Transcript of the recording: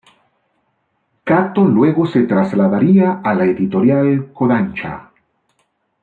Kato luego se trasladaría a la editorial Kōdansha.